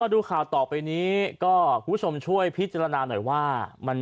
ดูข่าวต่อไปนี้ก็คุณผู้ชมช่วยพิจารณาหน่อยว่า